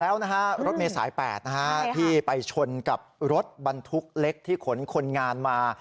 แล้วนะฮะรถเมษาย๘นะฮะที่ไปชนกับรถบรรทุกเล็กที่ขนคนงานมา